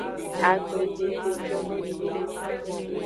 Agbledede jono ji ni.